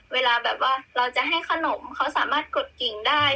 เวลาแบบว่าเราจะให้ขนมเขาสามารถกดกิ่งได้